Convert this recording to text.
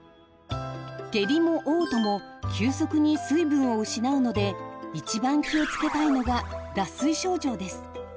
下痢もおう吐も急速に水分を失うので一番気をつけたいのが脱水症状です。